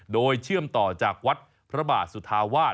โดยเชื่อมต่อจากวัดพระบาทสุธาวาส